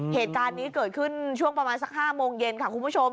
เหตุการณ์นี้เกิดขึ้นช่วงประมาณสัก๕โมงเย็นค่ะคุณผู้ชม